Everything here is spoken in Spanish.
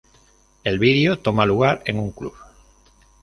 El video toma lugar en un club.